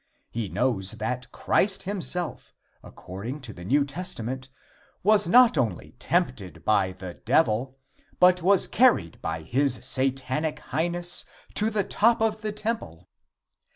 He knows that Christ himself, according to the New Testament, was not only tempted by the Devil, but was carried by his Satanic Highness to the top of the temple.